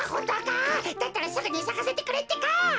だったらすぐにさかせてくれってか。